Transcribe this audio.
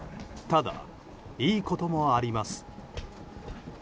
ただ、いいこともあります。